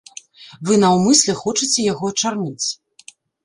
Вы наўмысля хочаце яго ачарніць.